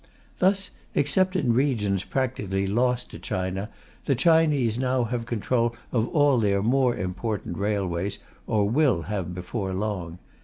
Thus, except in regions practically lost to China, the Chinese now have control of all their more important railways, or will have before long.